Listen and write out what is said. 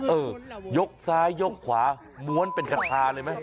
เออยกซ้ายยกขวาม้วนเป็นคาทาเลยไหม